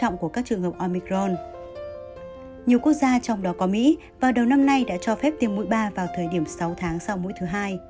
nhiều quốc gia trong đó có mỹ vào đầu năm nay đã cho phép tiêm mũi ba vào thời điểm sáu tháng sau mũi thứ hai